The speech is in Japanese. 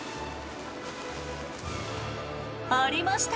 ありました！